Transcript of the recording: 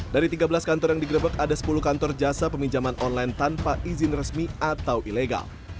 dari tiga belas kantor yang digerebek ada sepuluh kantor jasa peminjaman online tanpa izin resmi atau ilegal